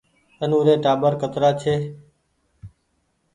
آنو ري ٽآٻر ڪترآ هيتي